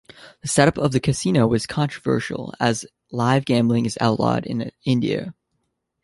The setup of the casino was controversial as live gambling is outlawed in India.